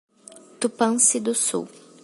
Tupanci do Sul